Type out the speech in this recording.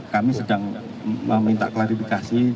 kami sedang meminta klarifikasi